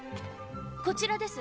こちらです。